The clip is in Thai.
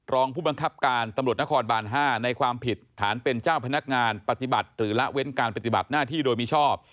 รองผู้บังคับการตำรวจนครบาน๕ในความผิดฐานเป็นเจ้าพนักงานปฏิบัติหรือละเว้นการปฏิบัติหน้าที่โดยมิชอบ